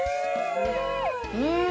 うん！